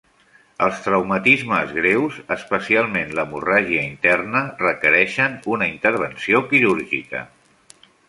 Els traumatismes greus, especialment l'hemorràgia interna, requereixen una intervenció quirúrgica.